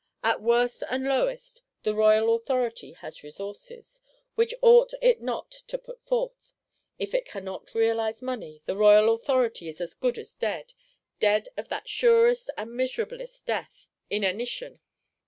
At worst and lowest, the Royal Authority has resources,—which ought it not to put forth? If it cannot realise money, the Royal Authority is as good as dead; dead of that surest and miserablest death, inanition.